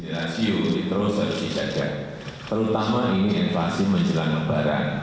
rasiulitroh harus dijaga terutama ini inflasi menjelang lebaran